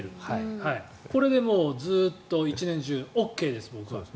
これでずっと一年中ＯＫです僕は。